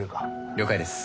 了解です。